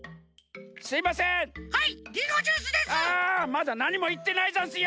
まだなにもいってないざんすよ！